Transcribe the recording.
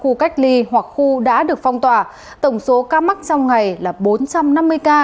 khu cách ly hoặc khu đã được phong tỏa tổng số ca mắc trong ngày là bốn trăm năm mươi ca